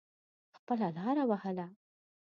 خپله لاره وهله.